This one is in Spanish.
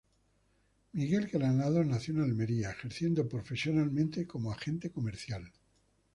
Miguel Granados nació en Almería, ejerciendo profesionalmente como agente comercial.